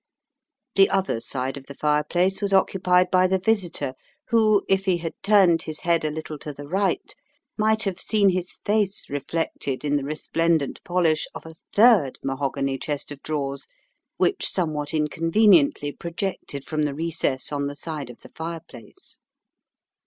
The other side of the fireplace was occupied by the visitor, who, if he had turned his head a little to the right, might have seen his face reflected in the resplendent polish of a third mahogany chest of drawers, which somewhat inconveniently projected from the recess on the side of the fireplace.